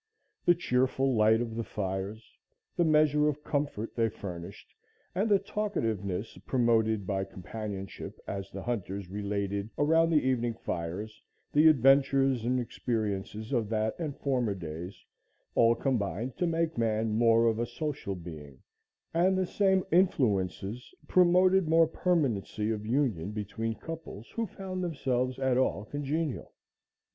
The cheerful light of the fires; the measure of comfort they furnished, and the talkativeness promoted by companionship as the hunters related around the evening fires the adventures and experiences of that and former days, all combined to make man more of a social being, and the same influences promoted more permanency of union between couples who found themselves at all congenial.